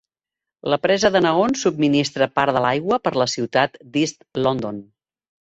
La presa de Nahoon subministra part de l'aigua per a la ciutat de East London.